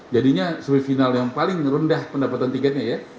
jadinya semifinal yang paling rendah pendapatan tiketnya ya